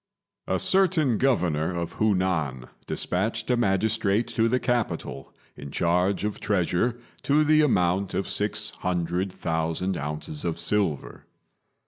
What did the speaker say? A certain Governor of Hu nan despatched a magistrate to the capital in charge of treasure to the amount of six hundred thousand ounces of silver.